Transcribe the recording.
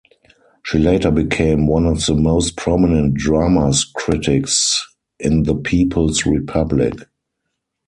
She later became one of the most prominent drama critics in the People's Republic.